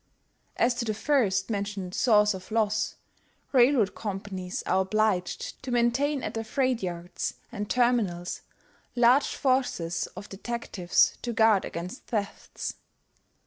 As to the first mentioned source of loss railroad companies are obliged to maintain at their freight yards and terminals large forces of detectives to guard against thefts.